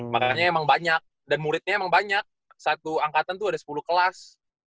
makanya emang banyak dan muridnya emang banyak satu angkatan tuh ada sepuluh kelas